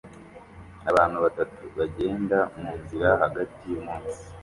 Abantu batatu bagenda munzira hagati yumunsi